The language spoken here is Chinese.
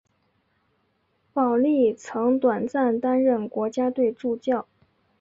保历曾短暂担任国家队助教。